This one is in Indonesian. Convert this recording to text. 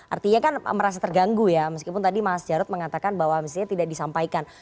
artinya kan merasa terganggu ya meskipun tadi mas jarod mengatakan bahwa misalnya tidak disampaikan